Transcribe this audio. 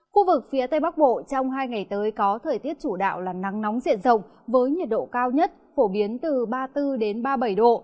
khu vực phía tây bắc bộ trong hai ngày tới có thời tiết chủ đạo là nắng nóng diện rộng với nhiệt độ cao nhất phổ biến từ ba mươi bốn ba mươi bảy độ